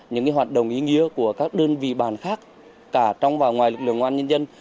những hoạt động ý nghĩa của các đơn vị bàn khác cả trong và ngoài lực lượng ngoan nhân dân